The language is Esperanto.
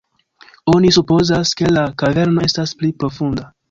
Oni supozas, ke la kaverno estas pli profunda.